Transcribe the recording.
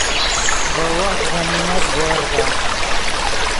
ڤے وخت غنیمت بُورزا